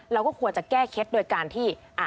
เราก็ควรจะแก้เคล็ดโดยการที่